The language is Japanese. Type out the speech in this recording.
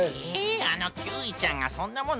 あのキーウィちゃんがそんなもの